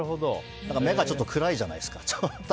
目がちょっと暗いじゃないですか。